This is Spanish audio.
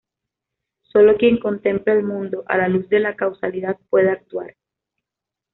Sólo quien contemple el mundo a la luz de la causalidad puede actuar.